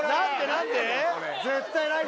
何で？